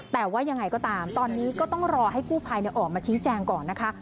แต่ว่ายังไงก็ตามตอนนี้ก็ต้องรอให้กู้ภัยออกมาชี้แจงก่อนนะคะ